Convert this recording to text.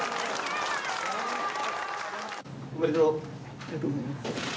ありがとうございます。